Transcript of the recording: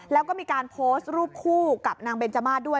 แล้วก็มีการโพสต์รูปคู่กับนางเบนจมาสด้วย